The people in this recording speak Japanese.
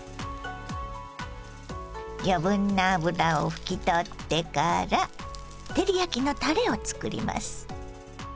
余分な脂を拭き取ってから照り焼きのたれを作ります。